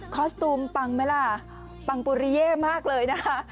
สตูมปังไหมล่ะปังปุริเย่มากเลยนะคะ